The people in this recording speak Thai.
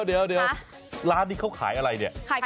เดี๋ยวร้านนี้เขาขายอะไรเนี่ย